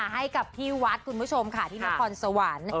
ให้กับที่วัดคุณผู้ชมค่ะที่นครสวรรค์